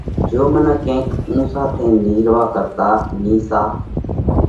جيو منک ڪينڪ اُنسو ٿينَ نِيهروا ڪرتو نيسا